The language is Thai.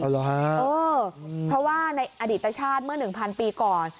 เพราะว่าในอดีตชาติเมื่อ๑๐๐ปีก่อน